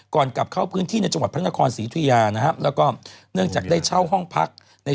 ก่อนกลับเข้าพื้นที่ในจังหวัดพระนครศรีธุยานะครับแล้วก็เนื่องจากได้เช่าห้องพักใน